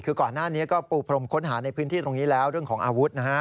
คือก่อนหน้านี้ก็ปูพรมค้นหาในพื้นที่ตรงนี้แล้วเรื่องของอาวุธนะฮะ